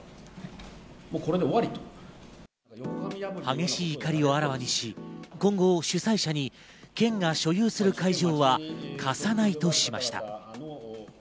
激しい怒りをあらわにし、今後、主催者に県が所有する会場は貸さないとしました。